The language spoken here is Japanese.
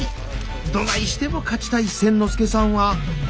どないしても勝ちたい千之助さんは。